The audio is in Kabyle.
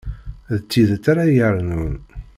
D tidet ara yernun.